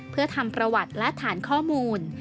เพื่อทำประวัติและฐานข้อมูล